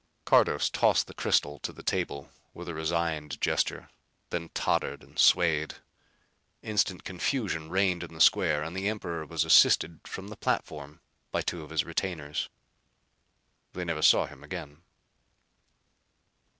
Cardos tossed the crystal to the table with a resigned gesture, then tottered and swayed. Instant confusion reigned in the square and the emperor was assisted from the platform by two of his retainers. They never saw him again.